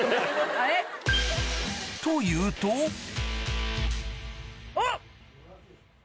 と言うとあっ！